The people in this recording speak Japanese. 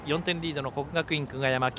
４点リードの国学院久我山。